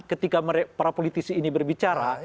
ketika para politisi ini berbicara